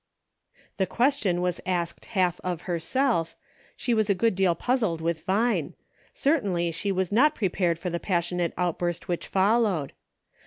The question was asked half of herself ; she was a good deal puzzled with Vine : certainly she was not prepared for the passionate outburst which followed.